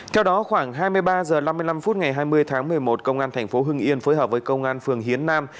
theo đó khoảng hai mươi ba h năm mươi năm phút ngày hai mươi tháng một mươi một công an tp hưng yên phối hợp với công an phường hiến nam